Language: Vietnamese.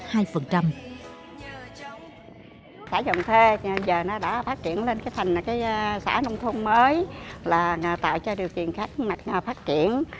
xã dọng thê giờ đã phát triển lên thành xã nông thôn mới tạo cho điều kiện khác mặt phát triển